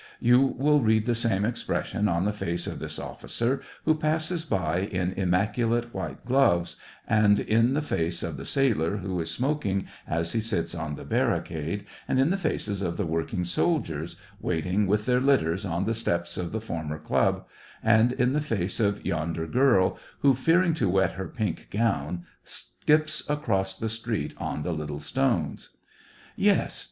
You will read the same expression on the face of this officer who passes by in im maculate white gloves, and in the face of the sailor who is smoking as he sits on the barricade, and in the faces of the working soldiers, waiting with their litters on the steps of the former club, and in the face of yonder girl, who, fearing to wet her pink gown, skips across the street on the little stones. SEVASTOPOL IN DECEMBER. \\ Yes